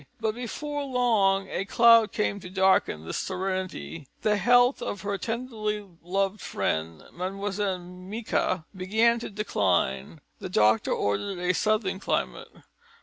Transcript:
But before long a cloud came to darken this serenity. The health of her tenderly loved friend, Mlle. Micas, began to decline; the doctor ordered a southern climate.